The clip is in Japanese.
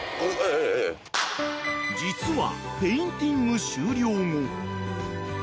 ［実は］